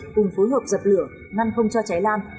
cùng phối hợp dập lửa ngăn không cho cháy lan